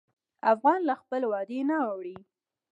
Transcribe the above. افغان له خپل وعدې نه اوړي.